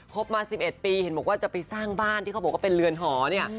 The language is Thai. บมา๑๑ปีเห็นบอกว่าจะไปสร้างบ้านที่เขาบอกว่าเป็นเรือนหอเนี่ย